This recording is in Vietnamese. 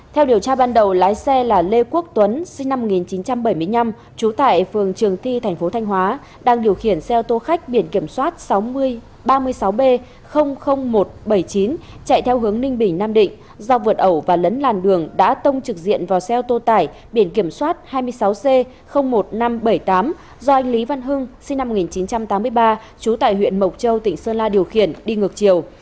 theo điều tra ban đầu lái xe là lê quốc tuấn sinh năm một nghìn chín trăm bảy mươi năm chú tại phường trường thi thành phố thanh hóa đang điều khiển xe ô tô khách biển kiểm soát ba mươi sáu b một trăm bảy mươi chín chạy theo hướng ninh bình nam định do vượt ẩu và lấn làn đường đã tông trực diện vào xe ô tô tải biển kiểm soát hai mươi sáu c một nghìn năm trăm bảy mươi tám do anh lý văn hưng sinh năm một nghìn chín trăm tám mươi ba chú tại huyện mộc châu tỉnh sơn la điều khiển đi ngược chiều